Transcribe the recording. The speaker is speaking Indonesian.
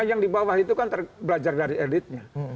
yang di bawah itu kan terbelajar dari elite nya